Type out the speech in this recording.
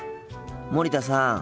森田さん。